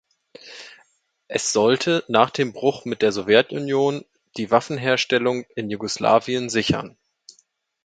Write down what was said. Es sollte nach dem Bruch mit der Sowjetunion die Waffenherstellung in Jugoslawien sichern.